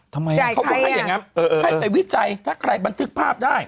จ่ายใครให้ไปวิจัยถ้าใครมันถึกภาพได้